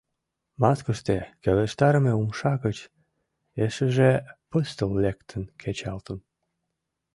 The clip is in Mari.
Маскыште келыштарыме умша гыч эшеже пыстыл лектын кечалтын.